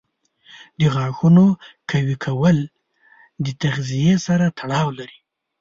د غاښونو قوي کول د تغذیې سره تړاو لري.